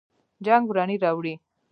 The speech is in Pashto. جنګ ورانی راوړي